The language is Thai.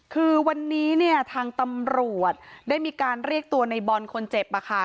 คือวันนี้เนี่ยทางตำรวจได้มีการเรียกตัวในบอลคนเจ็บมาค่ะ